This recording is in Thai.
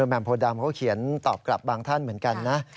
แหม่มโพดำเขาเขียนตอบกลับบางท่านเหมือนกันนะ